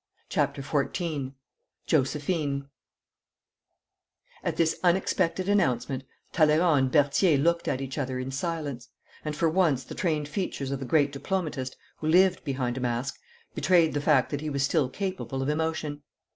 CHAPTER XIV JOSEPHINE At this unexpected announcement Talleyrand and Berthier looked at each other in silence, and for once the trained features of the great diplomatist, who lived behind a mask, betrayed the fact that he was still capable of emotion.